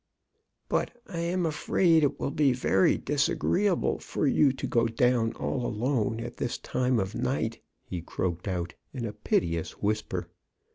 '* But I am afraid it will be very disagreeable for you to go down all alone at this time of night," he croaked out in a piteous whisper.